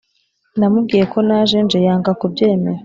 Namubwiye ko naje nje yanga kubyemera